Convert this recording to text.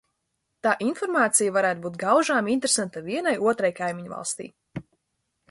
Tā informācija varētu būt gaužām interesanta vienai otrai kaimiņvalstij.